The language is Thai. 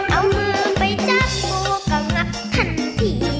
เอามือไปจับผู้กำกับทันที